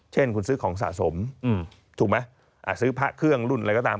เช่นคุณซื้อของสะสมถูกไหมซื้อพระเครื่องรุ่นอะไรก็ตาม